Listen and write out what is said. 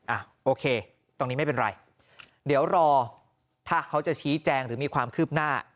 อ่ะโอเคตรงนี้ไม่เป็นไรเดี๋ยวรอถ้าเขาจะชี้แจงหรือมีความคืบหน้า